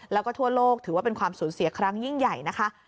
แล้วก็ทั่วโลกถือว่าเป็นความสูญเสียครั้งยิ่งใหญ่นะคะ